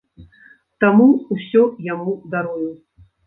Таму ўсё яму дарую.